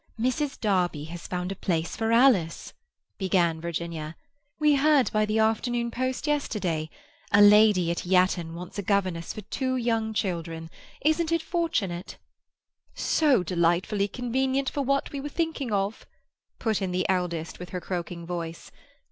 "Mrs. Darby has found a place for Alice," began Virginia. "We heard by the afternoon post yesterday. A lady at Yatton wants a governess for two young children. Isn't it fortunate?" "So delightfully convenient for what we were thinking of," put in the eldest, with her croaking voice.